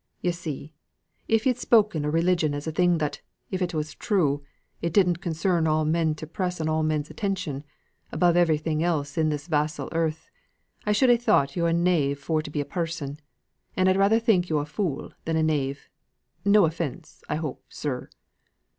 Yo' see, if yo'd spoken o' religion as a thing that, if it was true, it didn't concern all men to press on all men's attention, above everything else in this 'varsal earth, I should ha' thought yo' a knave for to be a parson; and I'd rather think yo' a fool than a knave. No offence, I hope, sir."